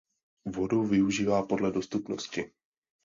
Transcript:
Vodu využívá podle dostupnosti.